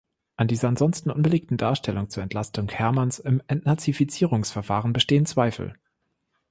An dieser ansonsten unbelegten Darstellung zur Entlastung Herrmanns im Entnazifizierungsverfahren bestehen Zweifel.